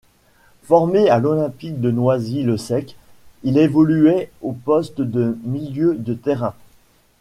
Formé à l'Olympique de Noisy-le-Sec, il évoluait au poste de milieu de terrain.